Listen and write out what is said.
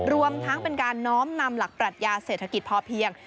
รวมทั้งเป็นการน้อมนำหลักปรัชญาเศรษฐกิจพอเพียง